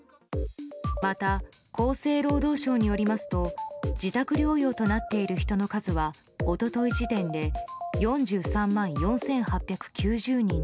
また、厚生労働省によりますと自宅療養となっている人の数は一昨日時点で４３万４８９０人に。